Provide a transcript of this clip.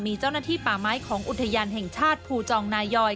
มีเจ้าหน้าที่ป่าไม้ของอุทยานแห่งชาติภูจองนายอย